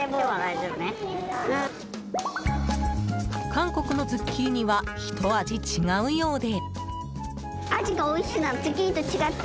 韓国のズッキーニはひと味違うようで。